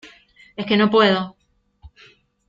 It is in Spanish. es que no puedo.